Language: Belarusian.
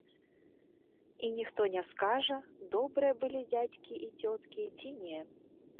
І ніхто не скажа, добрыя былі дзядзькі і цёткі ці не.